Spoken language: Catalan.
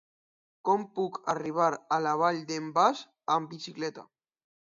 Com puc arribar a la Vall d'en Bas amb bicicleta?